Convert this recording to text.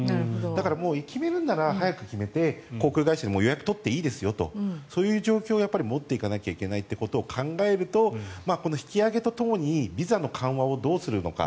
だから決めるなら早く決めて航空会社に予約取っていいですよとそういう状況に持っていかなきゃいけないということを考えるとこの引き上げとともにビザの緩和をどうするのか。